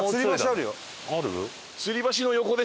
ある？